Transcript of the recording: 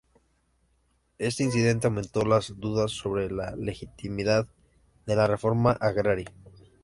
Este incidente aumentó las dudas sobre la legitimidad de la Reforma Agraria.